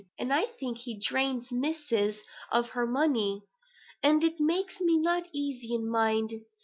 And I think he drains Missus of her money; and it makes me not easy in my mind.